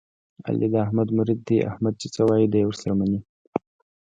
علي د احمد مرید دی، احمد چې څه وایي دی یې ور سره مني.